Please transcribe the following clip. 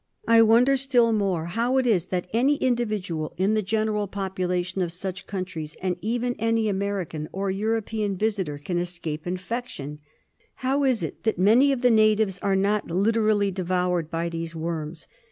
I wonder still more how it 2l8 PROBLEMS IN TROPICAL MEDICINE. is that any individual in the general population of such countries, and even any American or European visitor, can escape infection. How is it that many of the natives are not literally devoured by these worms?